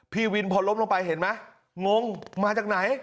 พี่วินพอล้มลงไปเห็นไหมงงมาจากไหน